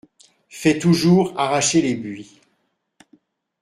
Fais toujours arracher les buis.